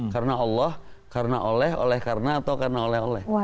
karena allah karena oleh oleh karena atau karena oleh oleh